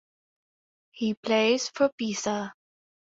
He plays for Pisa.